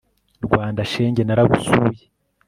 Rwanda shenge naragusuye